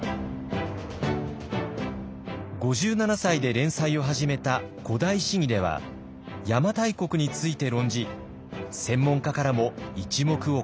５７歳で連載を始めた「古代史疑」では邪馬台国について論じ専門家からも一目置かれました。